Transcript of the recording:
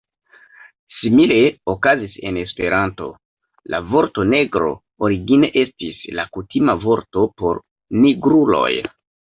Simile okazis en Esperanto: La vorto "negro" origine estis la kutima vorto por nigruloj.